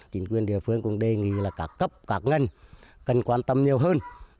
chính quyền địa phương cũng đề nghị là cả cấp cả ngân cần quan tâm nhiều hơn